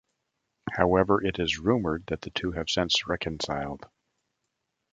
However it is rumored that the two have since reconciled.